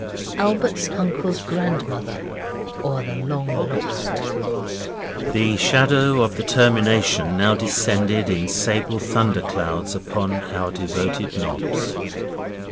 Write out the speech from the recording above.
ALBERT'S UNCLE's GRANDMOTHER; OR, THE LONG LOST The shadow of the termination now descended in sable thunder clouds upon our devoted nobs.